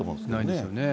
ないですよね。